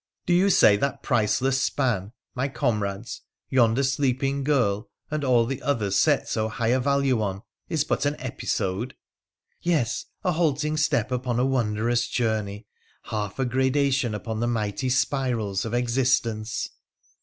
'Do you say that priceless span, my comrades, yonder sleeping girl, and all the others set so high a value on is but "an episode "?'' Yes — a halting step upon a wondrous journey, half a gradation upon the mighty spirals of existence